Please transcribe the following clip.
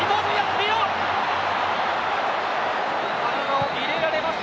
体を入れられました。